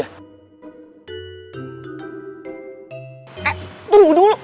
eh tunggu dulu